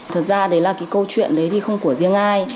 thật ra đấy là cái câu chuyện đấy thì không của riêng ai